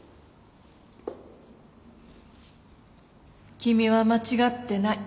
君は間違ってない。